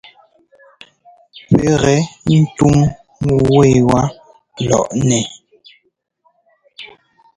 Pɛ́ gɛ ńtʉ́u ŋu ẅiwá lɔʼnɛ.